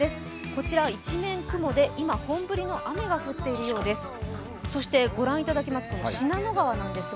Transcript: こちら一面雲で、今、本降りの雨が降っているようです。